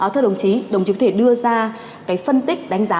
thưa đồng chí đồng chí có thể đưa ra cái phân tích đánh giá